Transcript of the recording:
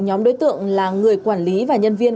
nhóm đối tượng là người quản lý và nhân viên